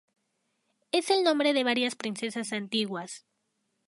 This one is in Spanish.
Es el nombre de varias princesas antiguas.